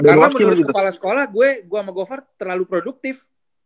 karena menurut kepala sekolah gue sama go far terlalu produktif